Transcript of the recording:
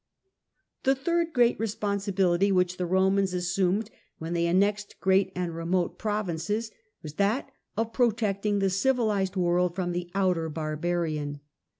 The third great responsibility which the Romans assumed, when they annexed great and remote provinces, was that of protecting the civilised world from the outer barbarian.